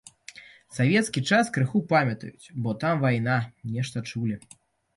Савецкі час крыху памятаюць, бо там вайна, нешта чулі.